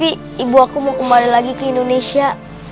tapi ibu aku mau kembali lagi ke indonesia